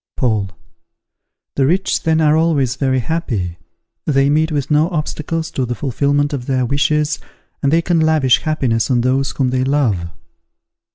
Paul. The rich then are always very happy! They meet with no obstacles to the fulfilment of their wishes, and they can lavish happiness on those whom they love.